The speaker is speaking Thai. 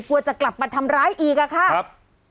กลัวจะกลับมาทำร้ายอีกอะค่ะครับ